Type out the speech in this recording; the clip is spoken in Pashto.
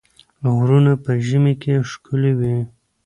غرونه په ژمي کې ښکلي وي.